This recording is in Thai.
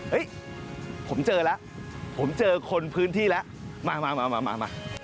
ผมเจอแล้วผมเจอคนพื้นที่แล้วมามา